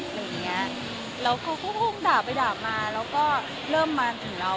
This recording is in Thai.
และเขาก็ถึงด่าไปด่ามาแล้วเริ่มมานถึงเรา